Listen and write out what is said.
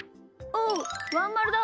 おっワンまるだ。